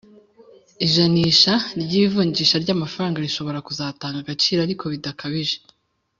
ijanisha ry'ivunjisha ry'amafaranga rishobora kuzata agaciro ariko bidakabije